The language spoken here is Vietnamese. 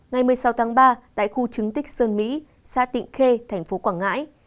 ngày một mươi sáu tháng ba tại khu chứng tích sơn mỹ xã tịnh khê thành phố quảng ngãi